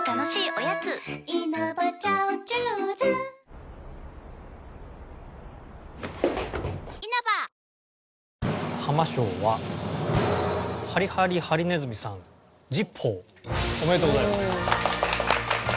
おめでとうございます。